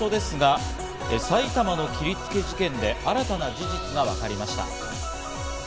最初ですが、埼玉の切りつけ事件で新たな事実がわかりました。